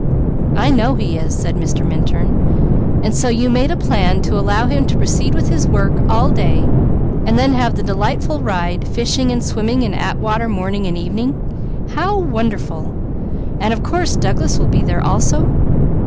"I know he is," said Mr. Minturn. "And so you made a plan to allow him to proceed with his work all day and then have the delightful ride, fishing and swimming in Atwater morning and evening. How wonderful! And of course Douglas will be there also?"